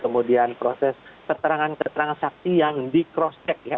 kemudian proses keterangan keterangan saksi yang di cross check ya